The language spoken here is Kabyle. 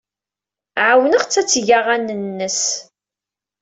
Ɛawneɣ-tt ad teg aɣanen-nnes.